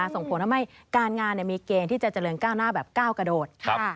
ส่งผลทำให้การงานมีเกณฑ์ที่จะเจริญก้าวหน้าแบบก้าวกระโดด